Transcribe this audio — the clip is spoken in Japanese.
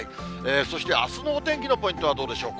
そして、あすのお天気のポイントはどうでしょう。